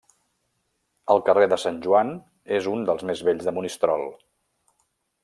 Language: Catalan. El carrer de Sant Joan és un dels més vells de Monistrol.